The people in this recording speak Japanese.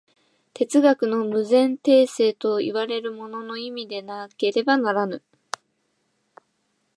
哲学の無前提性といわれるものの意味でなければならぬ。